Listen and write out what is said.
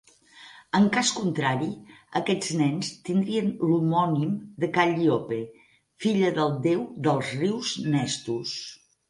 En cas contrari, aquests nens tindrien l'homònim de Calliope, filla del déu dels rius Nestus.